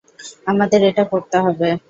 আমাদের এটা করতে হবে।